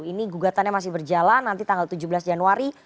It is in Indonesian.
ini gugatannya masih berjalan nanti tanggal tujuh belas januari